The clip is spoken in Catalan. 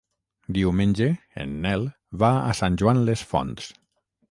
Diumenge en Nel va a Sant Joan les Fonts.